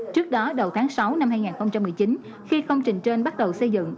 trước đó đầu tháng sáu năm hai nghìn một mươi chín khi công trình trên bắt đầu xây dựng